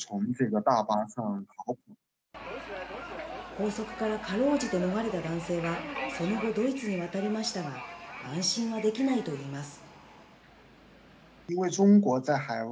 拘束からかろうじて逃れた男性は、その後、ドイツに渡りましたが、安心はできないといいます。